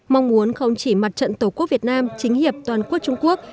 mong muốn không chỉ mặt trận tổ quốc việt nam chính hiệp toàn quốc trung quốc